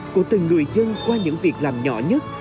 của từng người dân qua những việc làm nhỏ nhất